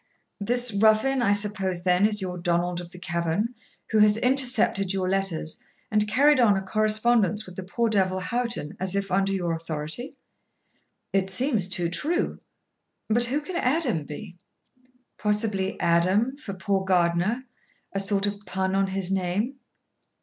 'This Ruffin, I suppose, then, is your Donald of the Cavern, who has intercepted your letters, and carried on a correspondence with the poor devil Houghton, as if under your authority?' 'It seems too true. But who can Addem be?' 'Possibly Adam, for poor Gardiner, a sort of pun on his name.'